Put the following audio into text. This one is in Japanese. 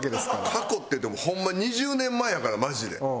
過去っていってもホンマ２０年前やからマジで。